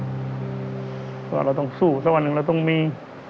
เพราะเราต้องสู้สักวันหนึ่งเราต้องมี